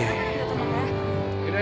gak usah berantem ya